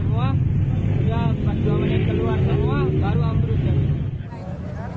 udah empat puluh dua menit keluar semua baru ambruh